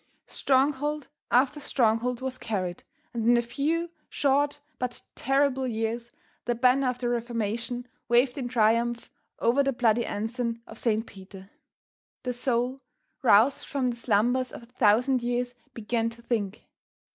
Stronghold after stronghold was carried, and in a few short but terrible years, the banner of the Reformation waved in triumph over the bloody ensign of Saint Peter. The soul roused from the slumbers of a thousand years began to think.